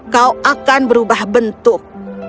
kau akan berubah bentuk